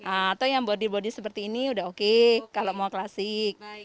atau yang bordir bordir seperti ini sudah oke kalau mau klasik